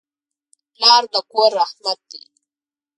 پلار د کور رحمت دی.